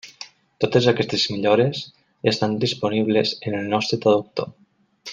Totes aquestes millores ja estan disponibles en el nostre traductor.